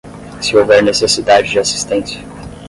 Se houver necessidade de assistência